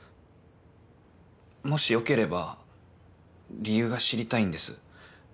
もしよければ理由が知りたいんです。